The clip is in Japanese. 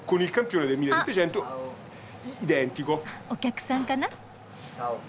お客さんかな？